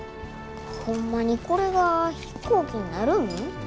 ホンマにこれが飛行機になるん？